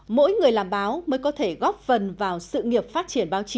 mỗi người làm báo mới có thể góp phần vào sự nghiệp phát triển báo chí